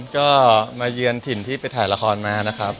ก็มาเยือนถิ่นที่ไปถ่ายละครมานะครับ